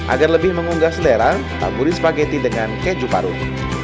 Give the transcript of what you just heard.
agar lebih mengunggah selera tamburi spaghetti dengan keju parut